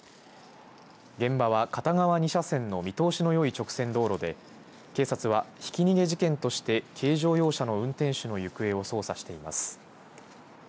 現場は片側２車線の見通しのよい直線道路で警察はひき逃げ事件として軽乗用車の運転手の行方を捜査しています。